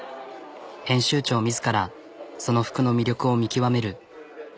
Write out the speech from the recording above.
編集長自らその服の魅力を見極める。